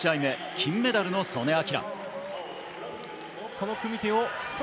金メダルの素根輝。